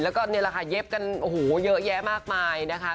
แล้วก็นี่แหละค่ะเย็บกันโอ้โหเยอะแยะมากมายนะคะ